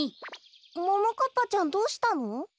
ももかっぱちゃんどうしたの？